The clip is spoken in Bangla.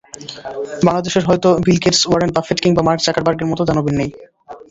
বাংলাদেশের হয়তো বিল গেটস, ওয়ারেন বাফেট কিংবা মার্ক জাকারবার্গের মতো দানবীর নেই।